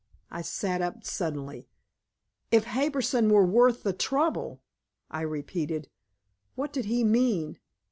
I sat up suddenly. "If Harbison were worth the trouble!" I repeated. What did he mean?